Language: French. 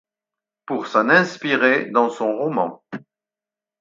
Pour s'en inspirer dans son roman.